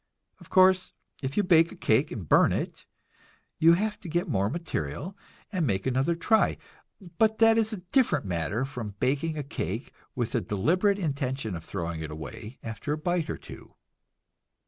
Of course, if you bake a cake and burn it, you have to get more material and make another try; but that is a different matter from baking a cake with the deliberate intention of throwing it away after a bite or two.